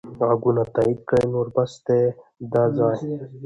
ږغونه تایید کړئ نور بس دی دا ځای.